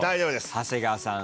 長谷川さん